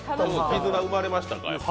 絆生まれましたか？